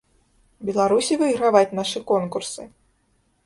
Беларусі выйграваць нашы конкурсы?